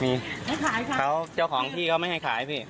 มีให้ขายขายเขาเจ้าของที่เขาไม่ให้ขายพี่